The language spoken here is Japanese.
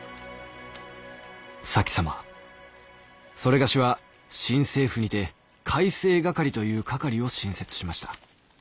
「前様某は新政府にて改正掛という掛を新設しました。